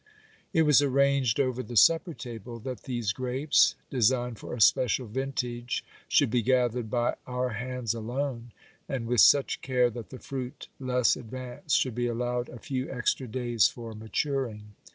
It was arranged 46 OBERMANN over the supper table that these grapes, designed for a special vintage, should be gathered by our hands alone, and with such care that the fruit less advanced should be allowed a few extra days for maturing.